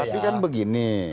tapi kan begini